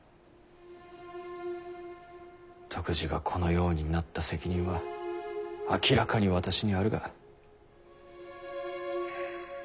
篤二がこのようになった責任は明らかに私にあるが。